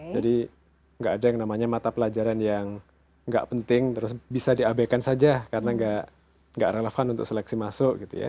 jadi nggak ada yang namanya mata pelajaran yang nggak penting terus bisa di ab kan saja karena nggak relevan untuk seleksi masuk gitu ya